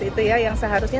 itu ya yang seharusnya